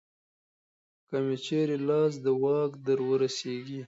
که مې چېرې لاس د واک درورسېږي